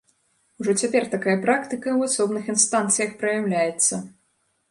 Ужо цяпер такая практыка ў асобных інстанцыях праяўляецца.